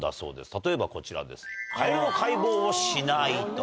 例えばこちらです。